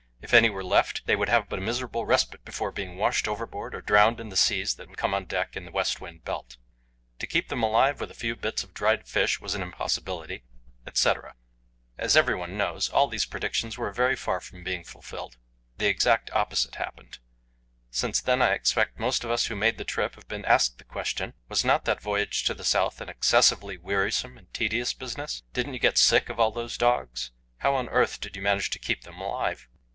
If any were left, they would have but a miserable respite before being washed overboard or drowned in the seas that would come on deck in the west wind belt. To keep them alive with a few bits of dried fish was an impossibility, etc. As everyone knows, all these predictions were very far from being fulfilled; the exact opposite happened. Since then I expect most of us who made the trip have been asked the question Was not that voyage to the South an excessively wearisome and tedious business? Didn't you get sick of all those dogs? How on earth did you manage to keep them alive?